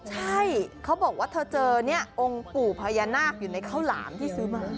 ใช่เขาบอกว่าเธอเจอเนี่ยองค์ปู่พญานาคอยู่ในข้าวหลามที่ซื้อมา